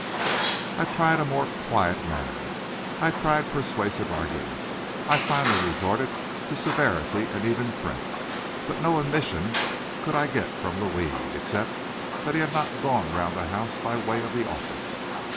I tried a more quiet manner, I tried persuasive arguments, I finally resorted to severity and even threats, but no admission could I get from Louis, except that he had not gone round the house by way of the office.